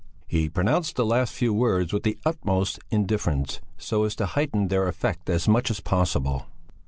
He pronounced the last few words with the utmost indifference, so as to heighten their effect as much as possible.